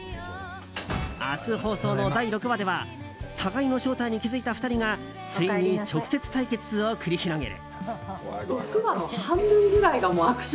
明日放送の第６話では互いの正体に気付いた２人がついに直接対決を繰り広げる。